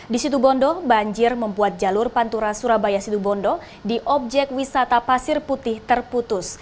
di situ bondo banjir membuat jalur pantura surabaya situbondo di objek wisata pasir putih terputus